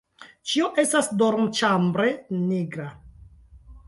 Ĉio estas dormĉambre nigra.